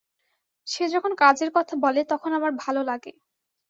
সে যখন কাজের কথা বলে তখন আমার ভালো লাগে।